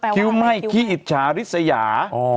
คิ้วไหม้ขี้อิจฉาริสยา